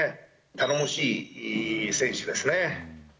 頼もしい選手ですね。